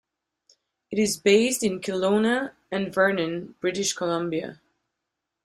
It is based in Kelowna and Vernon, British Columbia.